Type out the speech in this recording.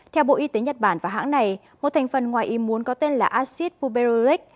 theo bộ y tế nhật bản và hãng này một thành phần ngoài im muốn có tên là acid puberuric